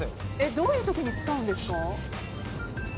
どういう時に使うんですか？